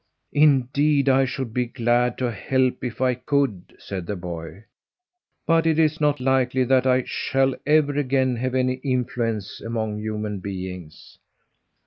"Indeed, I should be glad to help if I could," said the boy, "but it's not likely that I shall ever again have any influence among human beings."